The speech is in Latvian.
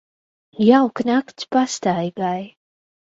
Jauka nakts pastaigai.